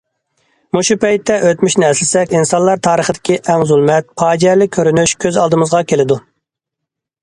مۇشۇ پەيتتە ئۆتمۈشنى ئەسلىسەك ئىنسانلار تارىخىدىكى ئەڭ زۇلمەت، پاجىئەلىك كۆرۈنۈش كۆز ئالدىمىزغا كېلىدۇ.